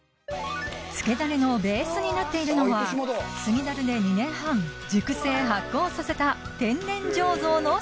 つけダレのベースになっているのは杉樽で２年半熟成発酵させた天然醸造の醤油